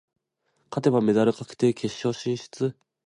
勝てばメダル確定、決勝進出。